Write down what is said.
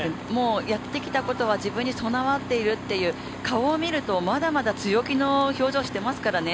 やってきたことは自分に備わっているっていう顔を見るとまだまだ強気の表情していますからね